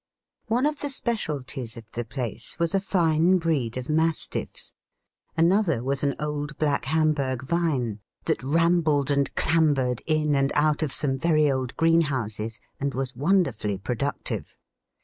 One of the specialties of the place was a fine breed of mastiffs; another was an old Black Hamburg vine, that rambled and clambered in and out of some very old greenhouses, and was wonderfully productive.